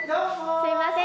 すみません